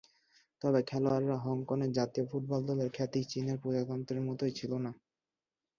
তবে খেলোয়াড়রা হংকংয়ের জাতীয় ফুটবল দলের খ্যাতি চীনের প্রজাতন্ত্রের মতোই ছিল না।